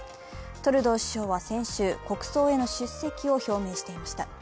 トルドー首相は先週、国葬への出席を表明していました。